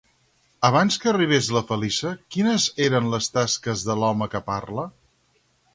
Abans que arribés la Feliça, quines eren les tasques de l'home que parla?